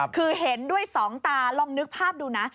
คือเห็นด้วยสองตาลองนึกภาพดูนะ